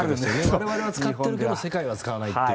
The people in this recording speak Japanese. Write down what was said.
我々は使っているけど世界は使わないっていう。